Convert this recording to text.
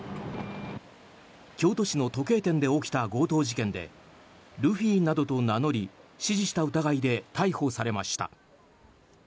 京都市の時計店で起きた強盗事件でルフィなどと名乗り指示した疑いで逮捕されました。